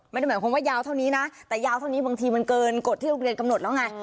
ไม่ได้หมายความว่ายาวเท่านี้นะแต่ยาวเท่านี้บางทีมันเกินกฎที่โรงเรียนกำหนดแล้วไง